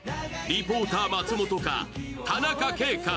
リポーター・松元か、田中圭か？